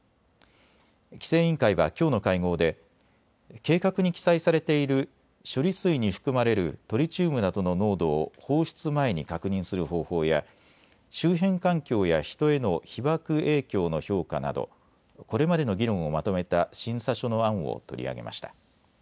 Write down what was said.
規制委員会はきょうの会合で計画に記載されている処理水に含まれるトリチウムなどの濃度を放出前に確認する方法や周辺環境や人への被ばく影響の評価などこれまでの議論をまとめた審査書の案を取り上げました。